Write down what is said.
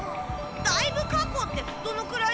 だいぶ過去ってどのくらい？